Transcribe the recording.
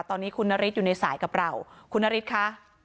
ตอนนี้คุณนฤทธิ์อยู่ในสายกับเราคุณนฤทธิ์ค่ะ